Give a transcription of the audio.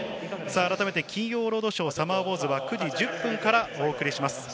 あらためて金曜ロードーショー『サマーウォーズ』は９時１０分からお送りします。